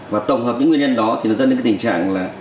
và tổng hợp những nguyên nhân đó thì nó dẫn đến cái tình trạng là